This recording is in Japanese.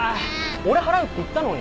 俺払うって言ったのに。